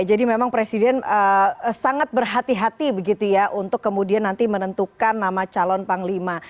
memang presiden sangat berhati hati begitu ya untuk kemudian nanti menentukan nama calon panglima